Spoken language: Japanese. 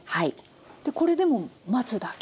でこれでもう待つだけ？